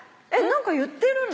何か言ってるの？